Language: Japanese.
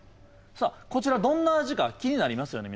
さあこちらどんな味か気になりますよね